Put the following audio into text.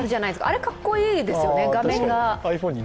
あれ格好いいですよね、画面が。